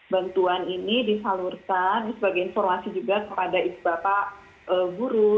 bantuan ini disalurkan sebagai informasi juga kepada ibu bapak guru